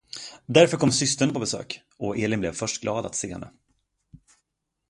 Därför kom systern på besök, och Elin blev först glad att se henne.